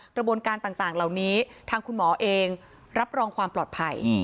กระบวนการต่างเหล่านี้ทางคุณหมอเองรับรองความปลอดภัย